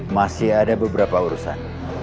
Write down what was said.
masih ada beberapa urusan